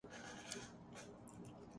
بےصبری سے ڈنر کا انتظار ہورہا تھا